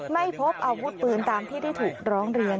ไม่พบอาวุธปืนตามที่ได้ถูกร้องเรียน